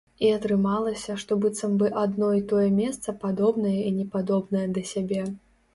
І атрымалася, што быццам бы адно і тое месца падобнае і непадобнае да сябе.